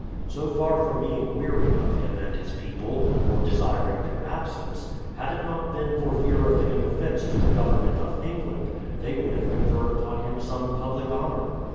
So far from being weary of him and his people, or desiring their absence, had it not been for fear of giving offence to the government of England, they would have conferred upon him some public honour.